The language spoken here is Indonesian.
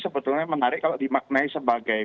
sebetulnya menarik kalau dimaknai sebagai